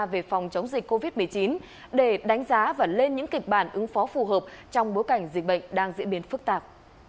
về phòng chống dịch covid một mươi chín để đánh giá và lên những kịch bản ứng phó phù hợp trong bối cảnh dịch bệnh đang diễn biến phức tạp